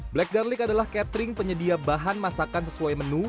black garlic adalah catering penyedia bahan masakan sesuai menu